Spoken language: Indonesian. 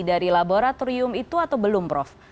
dari laboratorium itu atau belum prof